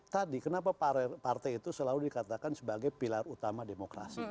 tadi kenapa partai itu selalu dikatakan sebagai pilar utama demokrasi